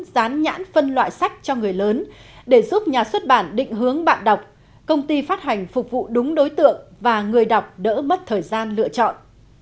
dán nhãn phân loại sách cho người lớn để giúp nhà xuất bản định hướng bạn đọc công ty phát hành phục vụ đúng đối tượng và người đọc đỡ mất thời gian lựa chọn